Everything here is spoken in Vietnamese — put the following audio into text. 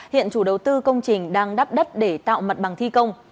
hiện chủ đầu tư công trình đang đắp đất để tạo mặt bằng thi công